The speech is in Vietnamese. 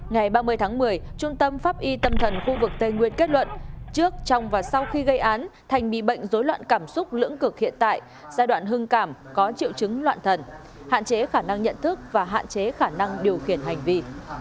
ngày ba mươi tháng một mươi trung tâm pháp y tâm thần khu vực tây nguyên kết luận trước trong và sau khi gây án thành bị bệnh dối loạn cảm xúc lưỡng cực hiện tại giai đoạn hưng cảm có triệu chứng loạn thần hạn chế khả năng nhận thức và hạn chế khả năng điều khiển hành vi